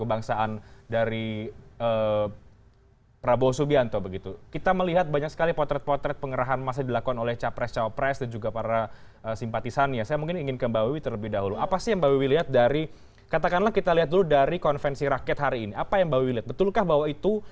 apa yang bapak wili lihat betulkah bahwa itu